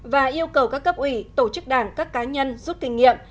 và yêu cầu các cấp ủy tổ chức đảng các cá nhân rút kinh nghiệm